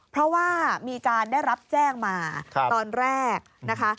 เพราะว่ามีการได้รับแจ้งมาตอนแรกนะคะ